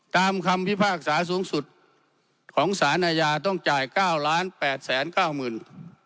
ตามคำพิพากษาสูงสุดของศาลนายาต้องจ่ายเก้าร้านแปดแสนเก้ามึง